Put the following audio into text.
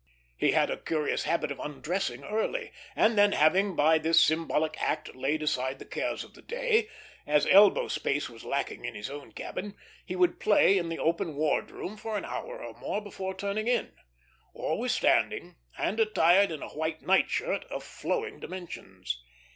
He had a curious habit of undressing early, and then, having by this symbolic act laid aside the cares of the day, as elbow space was lacking in his own cabin, he would play in the open ward room for an hour or more before turning in; always standing, and attired in a white night shirt of flowing dimensions.